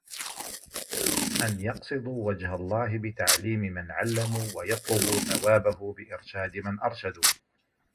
أَنْ يَقْصِدُوا وَجْهَ اللَّهِ بِتَعْلِيمِ مَنْ عَلَّمُوا وَيَطْلُبُوا ثَوَابَهُ بِإِرْشَادِ مَنْ أَرْشَدُوا